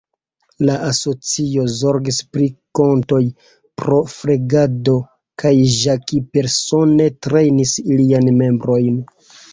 La asocio zorgis pri kontoj pro flegado kaj Jackie persone trejnis iliajn membrojn.